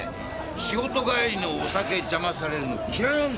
仕事帰りのお酒邪魔されんの嫌いなんだよ。